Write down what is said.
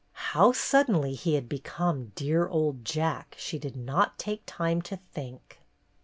How suddenly he had become "dear old Jack" she did not take time to think.